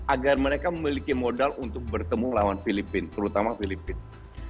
agar mereka memiliki modal untuk bertemu lawan filipina terutama filipina